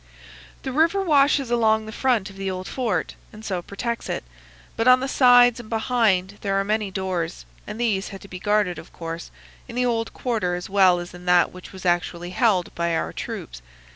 "The river washes along the front of the old fort, and so protects it, but on the sides and behind there are many doors, and these had to be guarded, of course, in the old quarter as well as in that which was actually held by our troops.